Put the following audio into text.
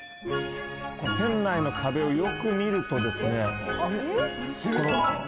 店内の壁をよく見ると。